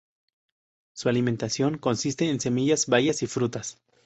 Su alimentación consiste en semillas, bayas y frutas.